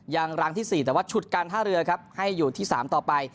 อย่างรังที่สี่แต่ว่าฉุดกันท่าเรือครับให้อยู่ที่สามต่อไป